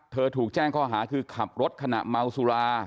ถูกแจ้งข้อหาคือขับรถขณะเมาสุรา